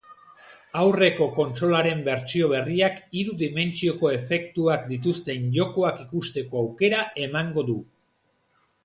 Aurreko kontsolaren bertsio berriak hiru dimentsioko efektuak dituzten jokoak ikusteko aukera emango du.